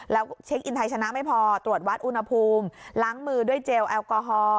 แล้วเช็คอินไทยชนะไม่พอตรวจวัดอุณหภูมิล้างมือด้วยเจลแอลกอฮอล์